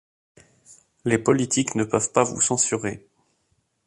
Les politiques ne peuvent pas vous censurer.